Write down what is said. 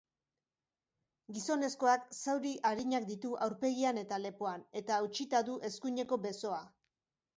Gizonezkoak zauri arinak ditu aurpegian eta lepoan, eta hautsita du eskuineko besoa.